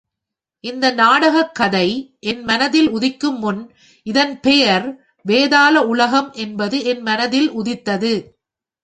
இந்த நாடகக் கதை என் மனத்தில் உதிக்குமுன், இதன் பெயர், வேதாள உலகம் என்பது என் மனத்தில் உதித்தது!